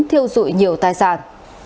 thiêu dụi nhiều tài sản